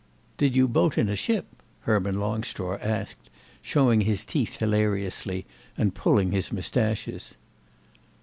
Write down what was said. "Did you boat in a ship?" Herman Longstraw asked, showing his teeth hilariously and pulling his moustaches.